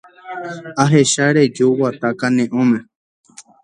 Ahecha reju guata kane'õme.